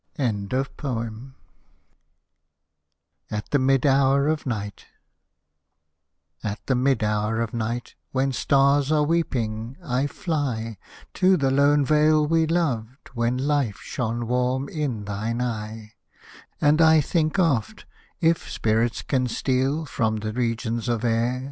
Hosted by Google 26 IRISH MELODIES AT THE MID HOUR OF NIGHT At the mid hour of night, when stars are weeping, I fly To the lone vale we loved, when hfe shone warm in thine eye ; And I think oft, if spirits can steal from the regions of air.